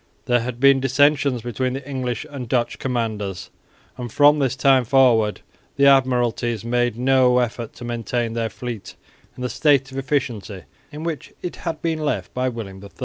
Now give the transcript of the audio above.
There had been dissensions between the English and Dutch commanders, and from this time forward the admiralties made no effort to maintain their fleet in the state of efficiency in which it had been left by William III.